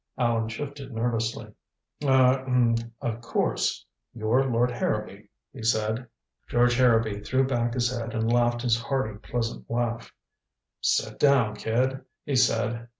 Allan shifted nervously. "Ah er of course, you're Lord Harrowby," he said. George Harrowby threw back his head and laughed his hearty pleasant laugh. "Sit down, kid," he said.